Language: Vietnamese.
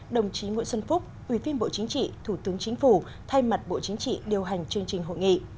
đồng chí nguyễn xuân phúc ủy viên bộ chính trị thủ tướng chính phủ thay mặt bộ chính trị điều hành chương trình hội nghị